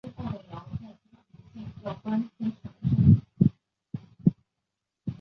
郑和亦尝裔敕往赐。